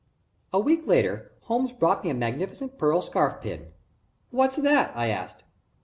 A week later, Holmes brought me a magnificent pearl scarf pin. "What's that?" I asked.